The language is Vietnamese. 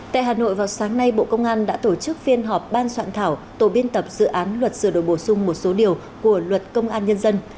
tại hà nội vào sáng nay bộ công an đã tổ chức phiên họp ban soạn thảo tổ biên tập dự án luật sửa đổi bổ sung một số điều của luật công an nhân dân